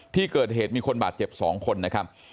ที่เกิดเหตุมีคนบาดเจ็บ๒คนนะครับ